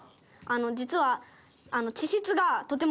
実は。